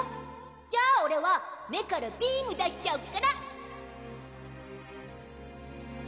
・・じゃあオレは目からビーム出しちゃおえるぅ！